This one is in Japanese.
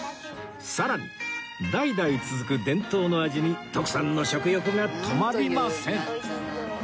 さらに代々続く伝統の味に徳さんの食欲が止まりません